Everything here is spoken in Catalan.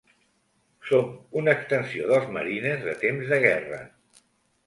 Som una extensió dels marines de temps de guerra.